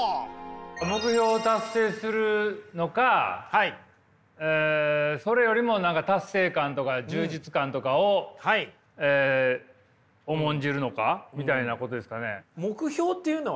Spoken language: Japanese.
目標達成するのかそれよりも達成感とか充実感とかを重んじるのかみたいなことですかね。